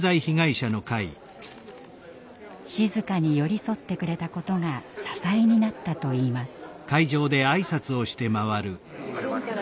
静かに寄り添ってくれたことが支えになったといいます。